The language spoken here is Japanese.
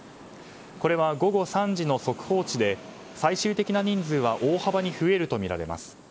これは午後３時の速報値で最終的な人数は大幅に増えるとみられます。